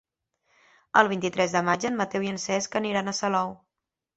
El vint-i-tres de maig en Mateu i en Cesc aniran a Salou.